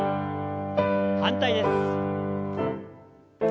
反対です。